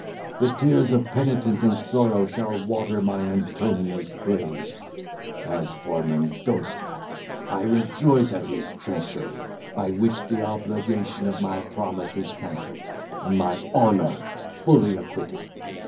The tears of penitence and sorrow shall water my Antonia's grave; as for Mendoza, I rejoice at his treachery, by which the obligation of my promise is cancelled, and my honour fully acquitted.